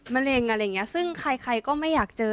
เร็งอะไรอย่างนี้ซึ่งใครก็ไม่อยากเจอ